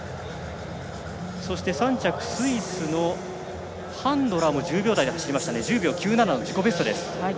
そして、３着スイスのハンドラーも１０秒台で走って１０秒９７の自己ベスト。